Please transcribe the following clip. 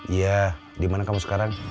iya dimana kamu sekarang